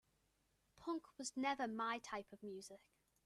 Punk was never my type of music.